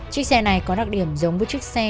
chiếc xe này có đặc điểm giống với chiếc xe